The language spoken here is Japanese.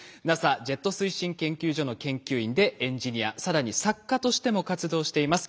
ＮＡＳＡジェット推進研究所の研究員でエンジニア更に作家としても活動しています。